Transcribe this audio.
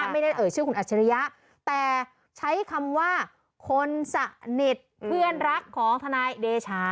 ไม่ได้เอ่ยชื่อคุณอัจฉริยะแต่ใช้คำว่าคนสนิทเพื่อนรักของทนายเดชา